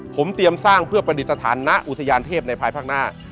ผมเตรียมสร้างเพื่อประดิษฐานณอุทยานเทพในภายภาคหน้า